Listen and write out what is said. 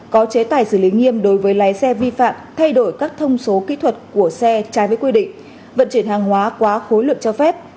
có chế tài xử lý nghiêm đối với lái xe vi phạm thay đổi các thông số kỹ thuật của xe trái với quy định vận chuyển hàng hóa quá khối lượng cho phép